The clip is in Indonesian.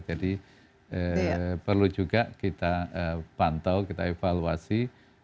jadi perlu juga kita pantau kita evaluasi